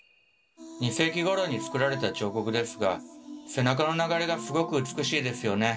２世紀ごろに作られた彫刻ですが背中の流れがすごく美しいですよね！